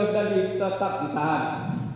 alas dandi tetap ditahan